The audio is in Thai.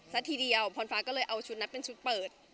ซะทีเดียวพรฟ้าก็เลยเอาชุดนั้นเป็นชุดเปิด